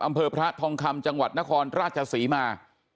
อำเภอพระทองคำจังหวัดนครราชศรีมา